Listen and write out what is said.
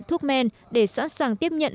thuốc men để sẵn sàng tiếp nhận